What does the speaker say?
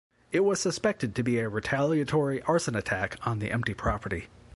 It was suspected to be a retaliatory arson attack on the empty property.